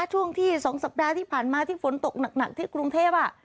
กลางประเทศนะช่วงที่๒สัปดาห์ที่ผ่านมาที่ฝนตกหนักที่กรุงเทพฯอ่ะ